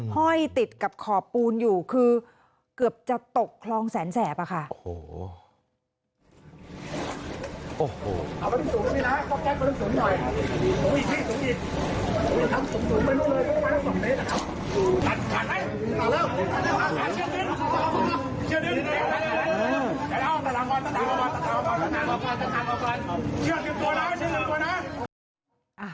ห้อยติดกับขอบปูนอยู่คือเกือบจะตกคลองแสนแสบอะค่ะ